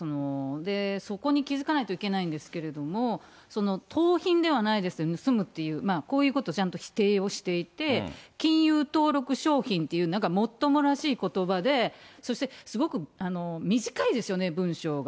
そこに気付かないといけないんですけれども、盗品ではないですって、盗むっていう、こういうことをちゃんと否定をしていて、金融登録商品っていう、なんかもっともらしいことばで、そして、すごく短いですよね、文章が。